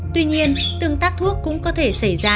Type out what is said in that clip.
tuy nhiên tương tác thuốc cũng có thể xảy ra